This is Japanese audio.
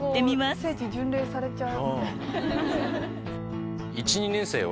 ここ聖地巡礼されちゃう。